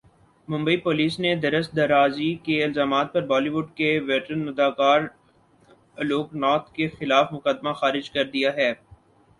Mumbai police نے درست درازی کے الزامات پر بالی وڈ کے ویٹرن اداکار الوک ناتھ کے خلاف مقدمہ خارج کردیا ہے